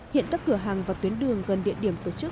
hiện các cửa hàng và tuyến đường gần địa điểm tổ chức